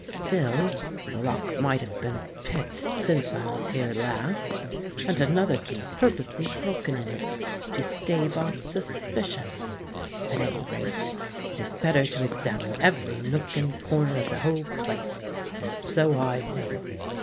"Still the lock might have been picked since I was here last, and another key purposely broken in it to stave off suspicion. At any rate, it is better to examine every nook and corner of the whole place—and so I will!"